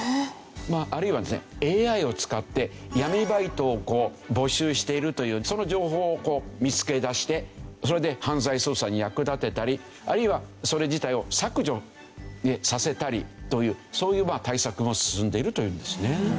あるいはですねＡＩを使って闇バイトを募集しているというその情報を見つけ出してそれで犯罪捜査に役立てたりあるいはそれ自体を削除させたりというそういう対策も進んでいるというんですね。